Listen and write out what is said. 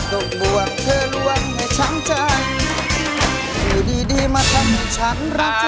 ดูจะมีแต่ละห่วง